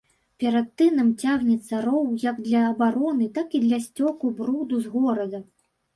Перад тынам цягнецца роў як для абароны, так і для сцёку бруду з горада.